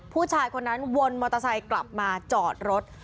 ผู้ชายคนนั้นวนมอเตอร์ไซค์กลับมาจอดรถ